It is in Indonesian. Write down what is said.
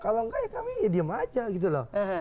kalau enggak ya kami idiem aja gitu loh